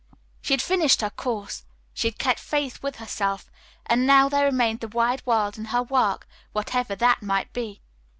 She had finished her course. She had kept faith with herself, and now there remained the wide world and her work, whatever that might be.